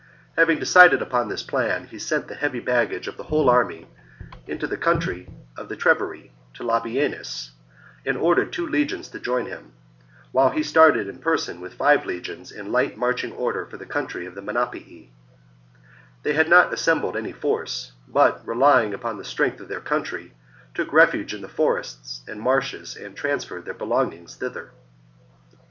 Having decided upon this plan, he sent the heavy baggage of the whole army into the country of 174 CONTINUED DISTURBANCES book 53 B.C. who submit. Labienus decisively defeats the Treveri. the Treveri, to Labienus, and ordered two legions to join him ; while he started in person with five legions in light marching order for the country of the Menapii. They had not assembled any force, but, relying upon the strength of their country, took refuge in the forests and marshes and trans ferred their belongings thither.